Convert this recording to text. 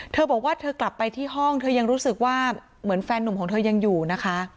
เธอบอกว่าเธอกลับไปที่ห้องเธอยังรู้สึกว่าเหมือนแฟนหนุ่มของเธอยังอยู่นะคะ